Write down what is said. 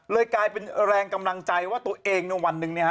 กลายเป็นแรงกำลังใจว่าตัวเองในวันหนึ่งเนี่ยฮ